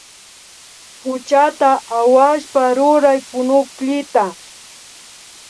Puchata awashpa ruray kunukllita